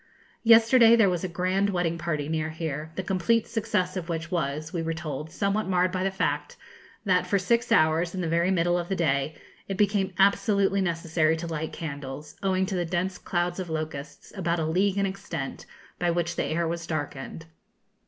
Yesterday there was a grand wedding party near here, the complete success of which was, we were told, somewhat marred by the fact, that for six hours, in the very middle of the day, it became absolutely necessary to light candles, owing to the dense clouds of locusts, about a league in extent, by which the air was darkened.